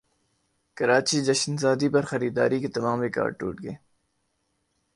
کراچی جشن زادی پرخریداری کے تمام ریکارڈٹوٹ گئے